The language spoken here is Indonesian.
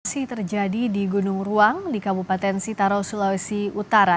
aksi terjadi di gunung ruang di kabupaten sitaro sulawesi utara